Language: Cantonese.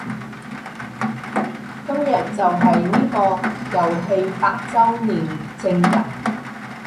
今日就係呢個遊戲八周年正日